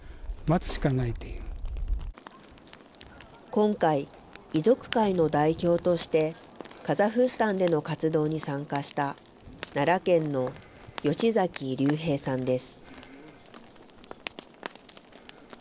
今回、遺族会の代表として、カザフスタンでの活動に参加した、奈良県の吉崎龍平さんです。